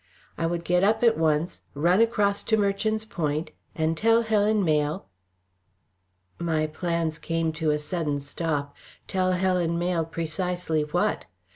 I would get up at once, run across to Merchant's Point, and tell Helen Mayle My plans came to a sudden stop. Tell Helen Mayle precisely what?